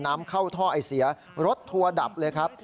น้ำเข้าท่อไอเสียรถทัวร์ดับเลยครับ